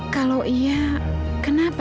kalau iya kenapa